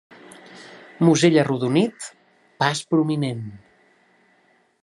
Musell arrodonit, pas prominent.